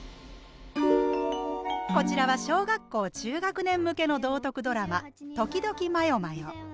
こちらは小学校中学年向けの道徳ドラマ「時々迷々」。